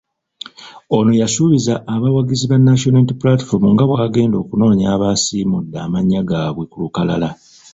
Ono yasuubizza abawagizi ba National Unity Platform nga bw'agenda okunoonya abaasiimudde amannya gaabwe ku nkalala.